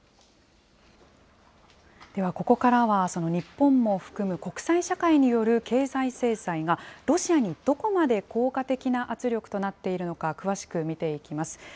ではここからは、日本も含む国際社会による経済制裁が、ロシアにどこまで効果的な圧力となっているのか詳しく見ていきます。